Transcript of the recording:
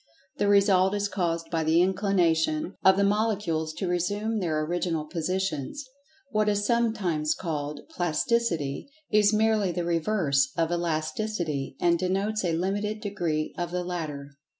The result is caused by the inclination of the molecules to resume their original positions. What is sometimes called "Plasticity" is merely the reverse of Elasticity, and denotes a limited degree of the latter.